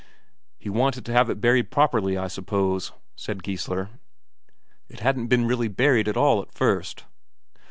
"He wanted to have it buried properly, I suppose," said Geissler. "It hadn't been really buried at all at first."